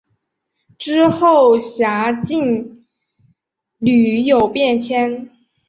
之后辖境屡有变迁。